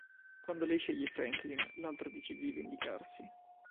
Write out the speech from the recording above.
Quando lei sceglie Franklin, l'altro decide di vendicarsi.